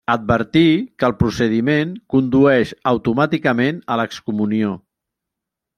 Advertí que el procediment condueix automàticament a l'excomunió.